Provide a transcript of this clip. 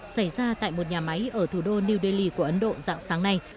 xảy ra tại một nhà máy ở thủ đô new delhi của ấn độ dạng sáng nay